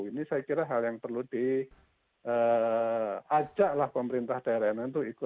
ini saya kira hal yang perlu diajaklah pemerintah daerah yang itu